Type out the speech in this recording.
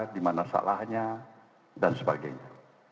dimana salahnya dan sebagainya